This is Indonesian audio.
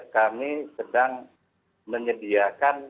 kami sedang menyediakan